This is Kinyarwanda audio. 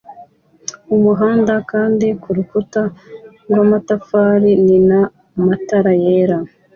mumuhanda kandi kurukuta rw'amatafari nina matara yera